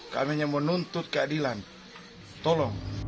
kami hanya menuntut keadilan tolong